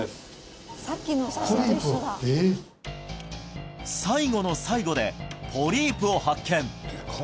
怖っ最後の最後でポリープを発見！